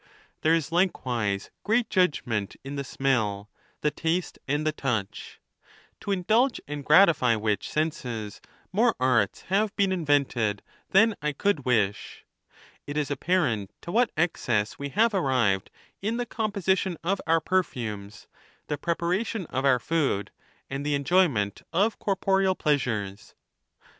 There is likewise great judgment in the smell, the taste, and the touch ; to indulge and gratify which senses more arts have been invented than I could wish: it is apparent to what excess we have arrived in the composition of our perfumes, the preparation of our food, and the enjoyment of corporeal pleasuies.